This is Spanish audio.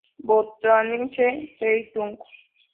Botanische Zeitung.